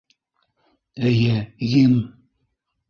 - Эйе, гимн.